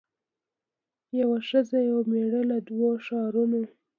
یوه ښځه یو مېړه له دوو ښارونو